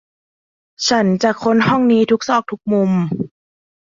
ฉันจะค้นห้องนี้ทุกซอกทุกมุม